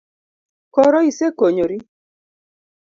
Koro isekonyori?